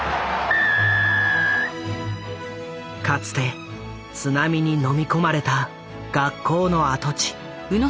かつて津波にのみ込まれた学校の跡地。